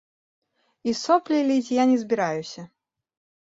І соплі ліць я не збіраюся!